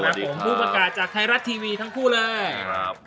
ครับผมผู้ประกาศจากไทยรัฐทีวีทั้งคู่เลยครับ